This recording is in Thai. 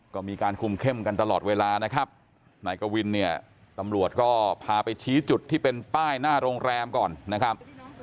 ก็มีการคุมเข้มกันตลอดเวลานะครับนายกวินเนี่ยตำรวจก็พาไปชี้จุดที่เป็นป้ายหน้าโรงแรมก่อนนะครับ